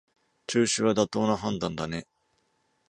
中止は妥当な判断だね